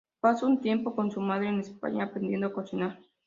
Pasó un tiempo con su madre en España aprendiendo a cocinar.